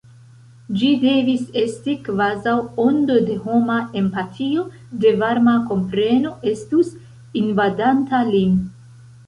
Ĝi devis esti kvazaŭ ondo de homa empatio, de varma kompreno estus invadanta lin.